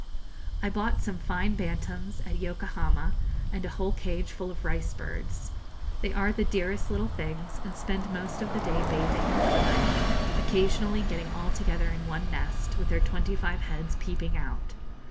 I bought some fine bantams at Yokohama, and a whole cage full of rice birds. They are the dearest little things, and spend most of the day bathing and twittering, occasionally getting all together into one nest, with their twenty five heads peeping out.